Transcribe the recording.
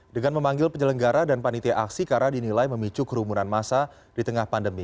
dengan memanggil penyelenggara dan panitia aksi karena dinilai memicu kerumunan masa di tengah pandemi